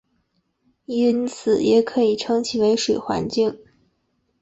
因此也可以称其为水环境。